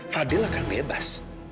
fadhil akan bebas